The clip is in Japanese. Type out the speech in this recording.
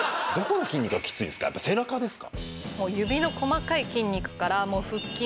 やっぱ背中ですか？